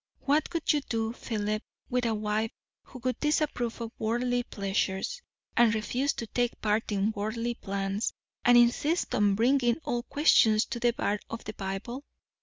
What would you do, Philip, with a wife who would disapprove of worldly pleasures, and refuse to take part in worldly plans, and insist on bringing all questions to the bar of the Bible?